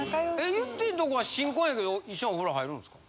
ゆってぃんとこは新婚やけど一緒にお風呂入るんですか？